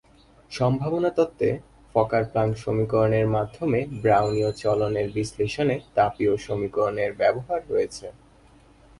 সম্ভাবনা তত্ত্বে, ফকার-প্ল্যাঙ্ক সমীকরণের মাধ্যমে ব্রাউনীয় চলনের বিশ্লেষণে তাপীয় সমীকরণের ব্যবহার রয়েছে।